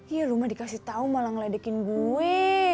iya lu mah dikasih tau malah ngeledekin gue